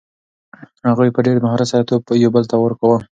هغوی په ډېر مهارت سره توپ یو بل ته ورکاوه.